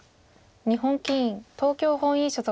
日本棋院東京本院所属。